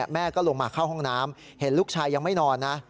แม่ก็ลงมาเข้าห้องน้ำเห็นลูกชายยังไม่นอนนะ